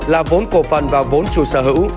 là vốn cổ phần và vốn chủ sở hữu